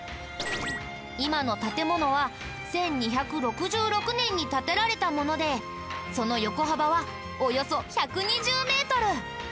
今の建物は１２６６年に建てられたものでその横幅はおよそ１２０メートル。